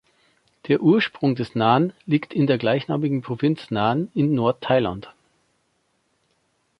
Der Ursprung des Nan liegt in der gleichnamigen Provinz Nan in Nord-Thailand.